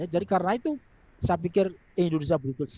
jadi karena itu saya pikir indonesia berhubungan setback